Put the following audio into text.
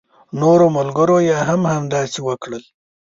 نورو ملګرو يې هم همداسې وکړل.